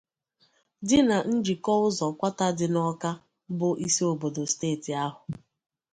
dị na njikọụzọ Kwata dị n'Awka bụ isi obodo steeti ahụ